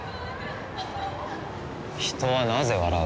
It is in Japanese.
人はなぜ笑う？